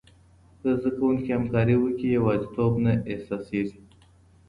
که زده کوونکي همکاري وکړي، یوازیتوب نه احساسېږي.